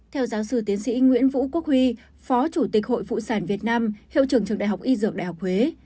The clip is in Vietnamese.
theo giáo sư tiến sĩ nguyễn vũ quốc huy phó chủ tịch hội phụ sản việt nam hiệu trưởng trường đại học y dược đại học huế